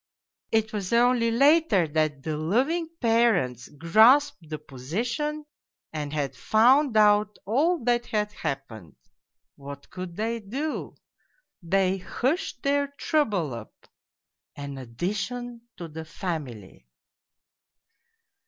... It was only later that the loving parents grasped the position and had found out all that had happened. ... What could they do ? They hushed their trouble up an addition to the family